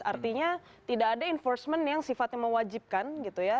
artinya tidak ada enforcement yang sifatnya mewajibkan gitu ya